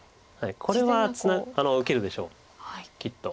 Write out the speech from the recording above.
これは受けるでしょうきっと。